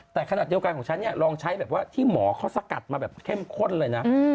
แต่ขนาดเดียวกันของฉันเนี่ยลองใช้แบบว่าที่หมอเขาสกัดมาแบบเข้มข้นเลยนะ